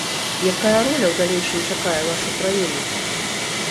Якая роля ў далейшым чакае вашу краіну?